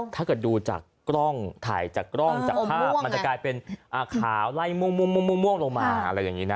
ถ้าเกิดดูจากกล้องถ่ายจากกล้องจากภาพมันจะกลายเป็นขาวไล่ม่วงลงมาอะไรอย่างนี้นะ